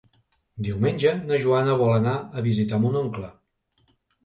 Diumenge na Joana vol anar a visitar mon oncle.